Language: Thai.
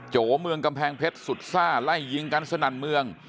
โจเมืองกำแพงเพชรสุดซ่าไล่ยิงกันสนั่นเมือง